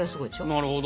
なるほど。